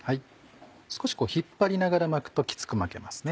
少し引っ張りながら巻くときつく巻けますね。